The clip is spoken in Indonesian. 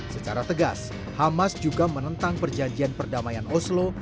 secara tegas hamas juga menentang perjanjian perdamaian oslo